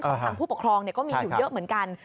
ทางผู้ปกครองก็มีอยู่เยอะเหมือนกัน